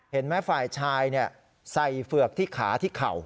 เห็นไหมฝ่ายชายใส่เฝือกที่ขาที่เข่า